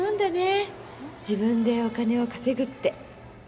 自分でお金を稼ぐって。